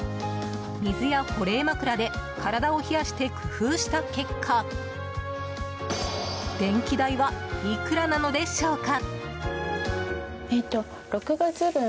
水や保冷枕で体を冷やして工夫した結果電気代はいくらなのでしょうか。